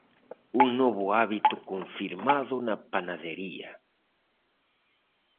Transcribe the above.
Un novo hábito confirmado na panadería.